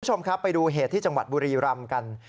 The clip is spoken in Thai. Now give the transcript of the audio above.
คุณผู้ชมครับไปดูเหตุที่จังหวัดบุรีรำกัน